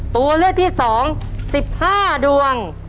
ตัวเลือกที่๒๑๕ดวง